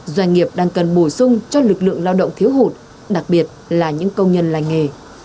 doanh nghiệp đang cần bổ sung cho lực lượng lao động thiếu hụt đặc biệt là những công nhân lành nghề